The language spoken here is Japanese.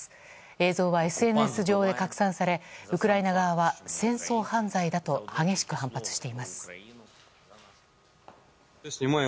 映像はＳＮＳ上で拡散されウクライナ側は戦争犯罪だと激しく反発しています。